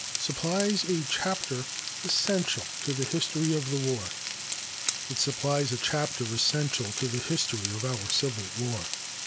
"Supplies a Chapter Essential to the History of the War." It supplies a chapter essential to the history of our Civil War.